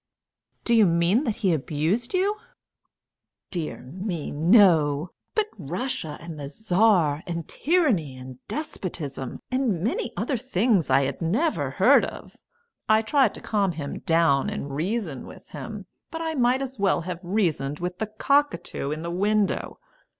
"Do you mean that he abused you?" "Dear me, no! but Russia and the Czar, and tyranny and despotism, and many other things I had never heard of. I tried to calm him down and reason with him, but I might as well have reasoned with the cockatoo in the window.